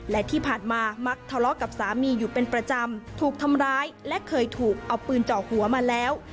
และที่ผ่านมามักทะเลาะกับสามีอยู่เป็นประจำถูกทำร้ายและเคยถูกเอาปืนเจาะหัวมาแล้ว